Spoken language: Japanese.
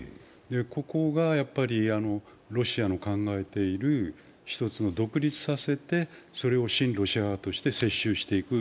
ここがロシアの考えている１つの、独立させてそれを親ロシア派として接収していく。